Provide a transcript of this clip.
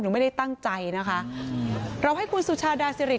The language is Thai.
ไม่ได้ตั้งใจนะคะเราให้คุณสุชาดาสิริ